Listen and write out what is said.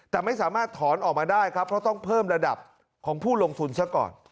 แต่ไม่สามารถถอนออกมาได้ครับเพราะต้องเพิ่มระดับของผู้ลงทุนซะก่อน